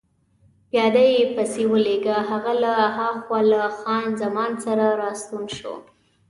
پیاده يې پسې ولېږه، هغه له هاخوا له خان زمان سره راستون شو.